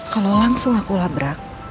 kalau langsung aku labrak